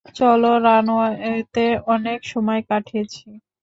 চলো রানওয়েতে অনেক সময় কাটিয়েছ।